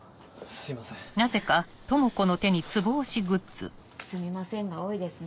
「すみません」が多いですね。